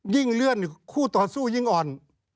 เลื่อนคู่ต่อสู้ยิ่งอ่อน